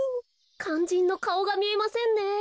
かんじんのかおがみえませんね。